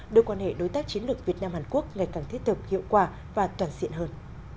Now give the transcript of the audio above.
đưa quan hệ đối tác chiến lược việt nam hàn quốc ngày càng thiết thực hiệu quả và toàn diện hơn